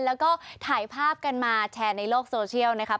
แล้วก็ถ่ายภาพกันมาแชร์ในโลกโซเชียลนะครับ